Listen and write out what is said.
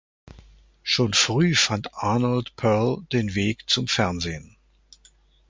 Schon früh fand Arnold Perl den Weg zum Fernsehen.